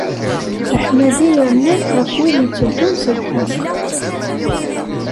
Leḥmadi rnant ɣef wid itteddun s lḥeqq.